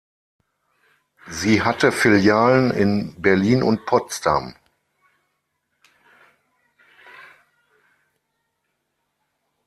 Sie hatte Filialen in Berlin und Potsdam.